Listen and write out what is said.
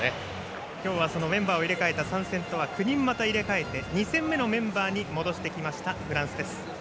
今日はメンバーを入れ替えた第３戦とは９人また入れ替えて２戦目のメンバーに戻してきましたフランス。